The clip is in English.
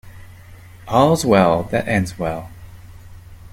All's well that ends well.